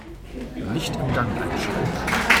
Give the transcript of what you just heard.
Licht im Gang einschalten.